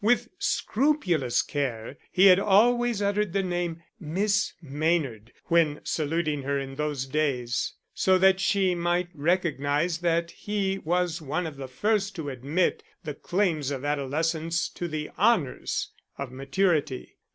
With scrupulous care he had always uttered the name "Miss Maynard," when saluting her in those days, so that she might recognize that he was one of the first to admit the claims of adolescence to the honours of maturity.